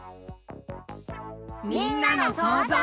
みんなのそうぞう。